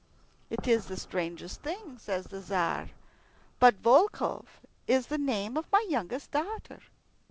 "It is a strange thing," says the Tzar, "but Volkhov is the name of my youngest daughter."